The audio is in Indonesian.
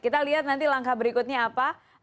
kita lihat nanti langkah berikutnya apa